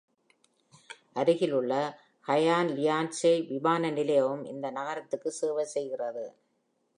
அருகிலுள்ள ஹூயான் லியான்ஷுய் விமான நிலையமும் இந்த நகரத்திற்கு சேவை செய்கிறது.